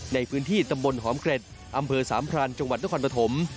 ในพื้นที่ตำบลหอมเกร็ดอำเภอสามพรานจังหวัดนครปฐม